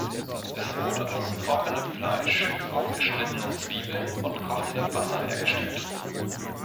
Es wurde aus trockenem Fleisch, aufgeschnittenen Zwiebeln und kochendem Wasser hergestellt.